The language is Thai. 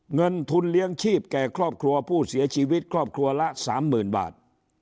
เงินทุนเลี้ยงชีพแก่ครอบครัวผู้เสียชีวิตครอบครัวละ๓๐๐๐บาท